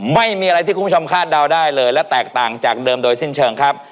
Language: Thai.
ไม่มีอะไรที่คุณผู้ชมคาดเดาได้เลยและแตกต่างจากเดิมโดยสิ้นเชิงครับ